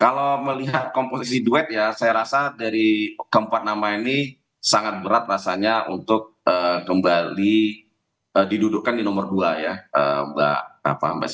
kalau melihat komposisi duet ya saya rasa dari keempat nama ini sangat berat rasanya untuk kembali didudukkan di nomor dua ya mbak